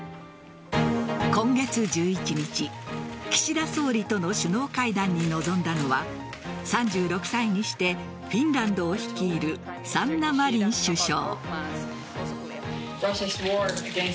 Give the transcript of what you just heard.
今月１１日岸田総理との首脳会談に臨んだのは３６歳にしてフィンランドを率いるサンナ・マリン首相。